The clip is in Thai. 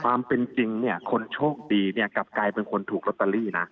ความเป็นจริงเนี่ยคนโชคดีเนี่ยกลับกลายเป็นคนถูกลอตเตอรี่นะ